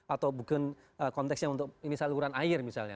atau bukan konteksnya untuk ini saluran air misalnya